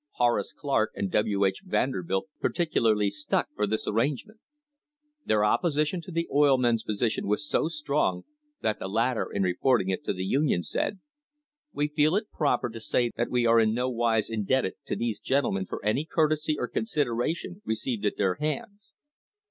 Horace Clark and W. H. Vanderbilt par ticularly stuck for this arrangement. Their opposition to the oil men's position was so strong that the latter in reporting it to I he Union said: "We feel it proper to say that we are in no rise indebted to these gentlemen for any courtesy or con ideration received at their hands."